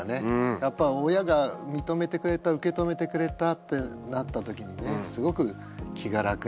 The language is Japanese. やっぱ親が認めてくれた受け止めてくれたってなった時にねすごく気が楽になってね。